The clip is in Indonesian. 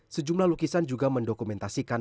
sejumlah lukisan juga mendokumentasikan